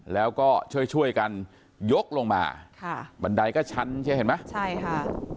แล้วก็ช่วยช่วยกันยกลงมาค่ะบันไดก็ชั้นใช่ไหมใช่ค่ะ